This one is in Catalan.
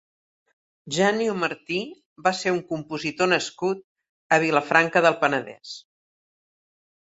Janio Martí va ser un compositor nascut a Vilafranca del Penedès.